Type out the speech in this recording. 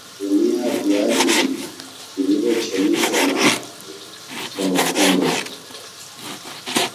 Tumia viazi vilivyo chemshwa na kupondwapondwa